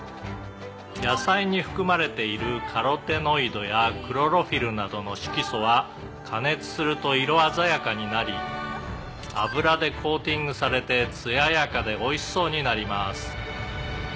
「野菜に含まれているカロテノイドやクロロフィルなどの色素は加熱すると色鮮やかになり油でコーティングされて艶やかでおいしそうになります」